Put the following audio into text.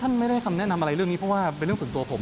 ท่านไม่ได้แนะนำอะไรในเรื่องนี้เพราะว่าเป็นเรื่องสัตว์ส่วนผม